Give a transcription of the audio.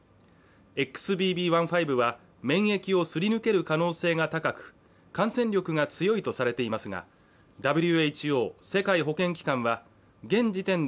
ＸＢＢ．１．５は免疫をすり抜ける可能性が高く感染力が強いとされていますが、ＷＨＯ＝世界保健機関は現時点で